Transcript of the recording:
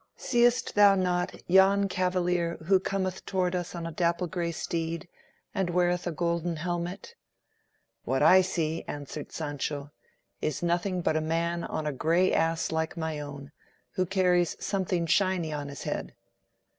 "'Seest thou not yon cavalier who cometh toward us on a dapple gray steed, and weareth a golden helmet?' 'What I see,' answered Sancho, 'is nothing but a man on a gray ass like my own, who carries something shiny on his head.